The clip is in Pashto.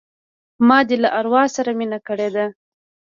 ما دي له اروا سره مینه کړې ده